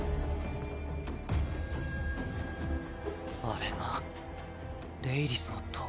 あれがレイリスの塔。